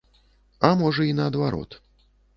А можа, і наадварот.